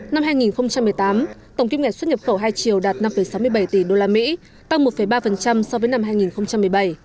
năm hai nghìn một mươi tám tổng kim ngạch xuất nhập khẩu hai triều đạt năm sáu mươi bảy tỷ usd tăng một ba so với năm hai nghìn một mươi bảy